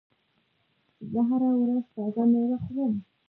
زه هره ورځ تازه میوه خورم.